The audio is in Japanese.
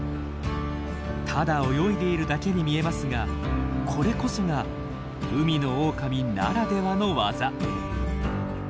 ただ泳いでいるだけに見えますがこれこそが海のオオカミならではの技。